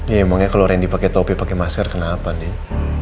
ya emangnya kalau randy pakai topi pakai masker kenapa nih